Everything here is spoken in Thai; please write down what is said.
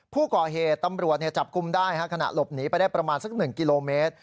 ผู้ก่อเหตุตำรวจจับกลุ่มได้ขณะหลบหนีไปได้ประมาณสัก๑กิโลเมตร